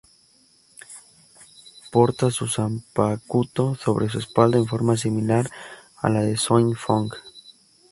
Porta su zanpakutō sobre su espalda en forma similar a la de Soi Fong.